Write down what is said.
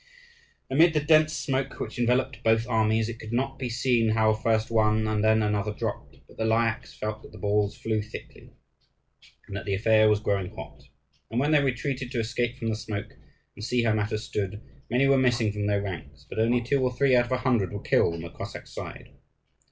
Amid the dense smoke which enveloped both armies, it could not be seen how first one and then another dropped: but the Lyakhs felt that the balls flew thickly, and that the affair was growing hot; and when they retreated to escape from the smoke and see how matters stood, many were missing from their ranks, but only two or three out of a hundred were killed on the Cossack side.